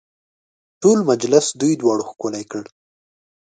ټول مجلس دوی دواړو ښکلی کړ.